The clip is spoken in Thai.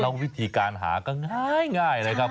แล้ววิธีการหาก็ง่ายเลยครับ